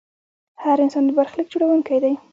هر انسان د برخلیک جوړونکی دی.